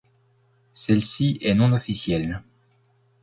Celle-ci est non-officielle.